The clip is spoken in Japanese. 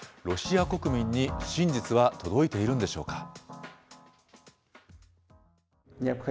ロシア国民に真実は届いているんでしょうか。